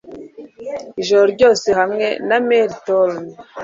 ijoro ryose hamwe na Mel Torme